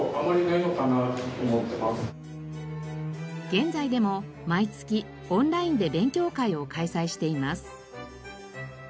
現在でも毎月オンラインで勉強会を開催しています。